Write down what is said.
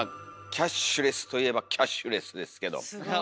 キャッシュレスといえばキャッシュレスですけど。